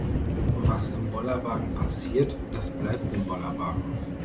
Was im Bollerwagen passiert, das bleibt im Bollerwagen.